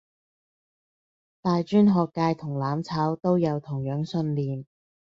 大專學界同攬炒都有同樣信念